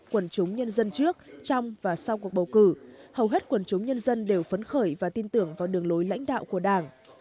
quần chúng nhân dân trước trong và sau cuộc bầu cử hầu hết quần chúng nhân dân đều phấn khởi và tin tưởng vào đường lối lãnh đạo của đảng